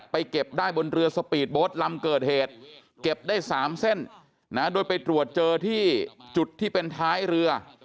เก็บได้บนเรือสปีดโบ๊ทลำเกิดเหตุเก็บได้๓เส้นนะโดยไปตรวจเจอที่จุดที่เป็นท้ายเรือ